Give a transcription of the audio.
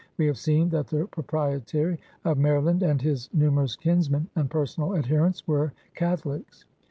We have seen that the Proprietary of Maryland and his numerous kinsmen and personal adher ents were Catholics.